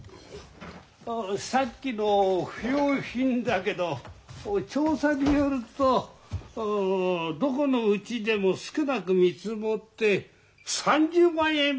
さっきの不用品だけど調査によるとどこのうちでも少なく見積もって３０万円分があるといわれている。